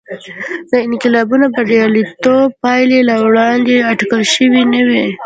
د انقلابینو بریالیتوب پایلې له وړاندې اټکل شوې نه وې.